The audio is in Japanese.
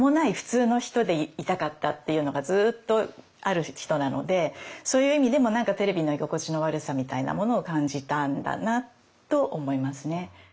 っていうのがずっとある人なのでそういう意味でもテレビの居心地の悪さみたいなものを感じたんだなと思いますね。